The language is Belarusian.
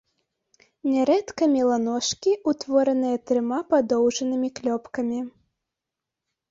Нярэдка мела ножкі, утвораныя трыма падоўжанымі клёпкамі.